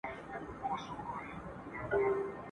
هغه بل پر منبر ستونی وي څیرلی !.